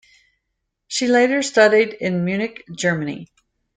She later studied in Munich, Germany.